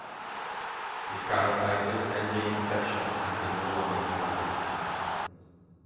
The Scarlet Ibis then gained protection and could no longer be hunted.